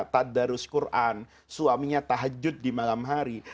tad darus quran suaminya tahajud di malam hari